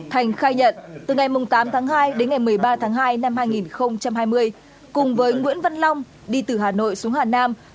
thành khai nhận từ ngày tám tháng hai đến ngày một mươi ba tháng hai năm hai nghìn hai mươi cùng với nguyễn văn long đi từ hà nội xuống hà nam